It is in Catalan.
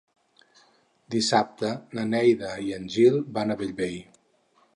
Dissabte na Neida i en Gil van a Bellvei.